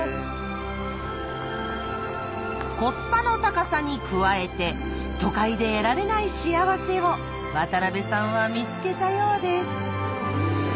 コスパの高さに加えて都会で得られない幸せを渡部さんは見つけたようです。